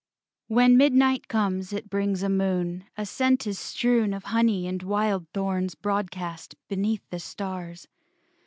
II When midnight comes it brings a moon: A scent is strewn Of honey and wild thorns broadcast Beneath the stars.